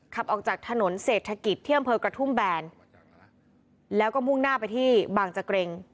ขับออกจากถนนเศรษฐกิจที่อำเภอกระทุ่มแบนแล้วก็มุ่งหน้าไปที่บางจะเกร็ง